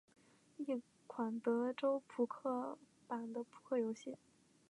一款德州扑克版的扑克游戏。